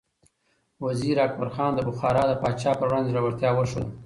وزیر اکبر خان د بخارا د پاچا پر وړاندې زړورتیا وښوده.